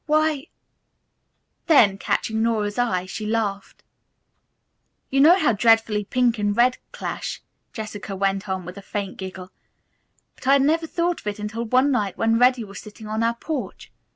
"Why " Then, catching Nora's eye, she laughed. "You know how dreadfully pink and red clash," Jessica went on, with a faint giggle, "but I had never thought of it until one night when Reddy was sitting on our porch.